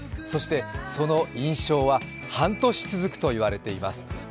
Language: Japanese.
そして、その印象は半年続くと言われています。